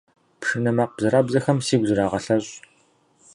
Пшынэ макъ бзэрабзэхэм сигу зырагъэлъэщӏ.